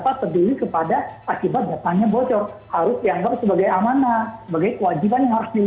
karena itu memang pengelola datanya itu harus dibekali oleh kemampuan dan harus sadar